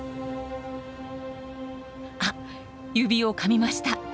あっ指をかみました。